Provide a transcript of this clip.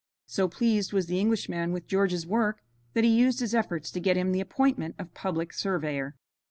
So pleased was the Englishman with George's work that he used his efforts to get him the appointment of Public Surveyor.